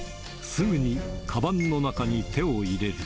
すぐにかばんの中に手を入れる。